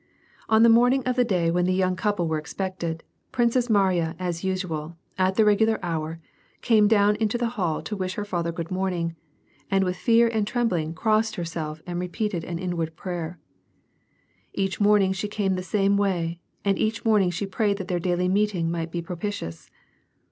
On the morning of the day when the young couple were expected, the Princess Mariya as usual, at the regular hour, (aine down into the hall to wish her father good morning, and with fear and trembling crossed herself and repeated an inward prayer. Each morning she came the same way, and each morning she prayed that their daily meeting might be propitious.